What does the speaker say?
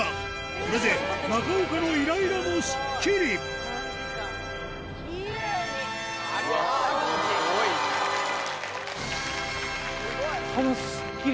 これで中岡のいらいらもすっきり。